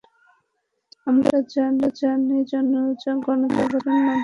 আমরা যতটা জানি, গণজাগরণ মঞ্চের সবাই যুদ্ধাপরাধের বিচারের দাবিতে সমবেত হয়েছিলেন।